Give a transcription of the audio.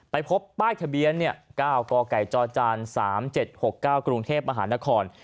พบป้ายทะเบียน๙กกจจ๓๗๖๙กรุงเทพมหานคร